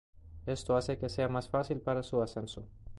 Esto hace que sea más fácil para su ascenso.